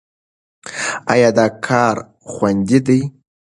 ایا دا کار خوندي دی؟